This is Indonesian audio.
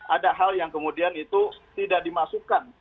ada hal yang kemudian itu tidak dimasukkan